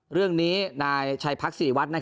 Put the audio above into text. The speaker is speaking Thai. เรื่องนี้นายชายพรรคศิริวัตน์